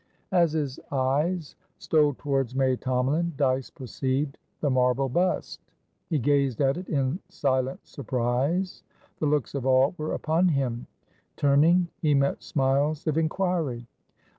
As his eyes stole towards May Tomalin, Dyce perceived the marble bust. He gazed at it in silent surprise. The looks of all were upon him; turning, he met smiles of inquiry.